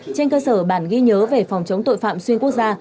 trên cơ sở bản ghi nhớ về phòng chống tội phạm xuyên quốc gia